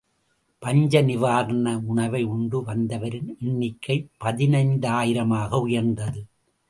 பஞ்ச நிவாரண உணவை உண்டு வந்தவர்களின் எண்ணிக்கை பதினைந்தாயிரமாக உயர்ந்தது.